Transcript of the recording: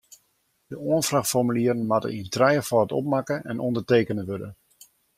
De oanfraachformulieren moatte yn trijefâld opmakke en ûndertekene wurde.